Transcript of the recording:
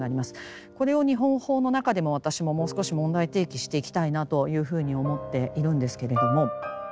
これを日本法の中でも私ももう少し問題提起していきたいなというふうに思っているんですけれども。